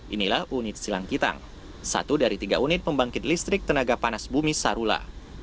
inilah unit silangkitang satu dari tiga unit pembangkit listrik tenaga panas bumi sarula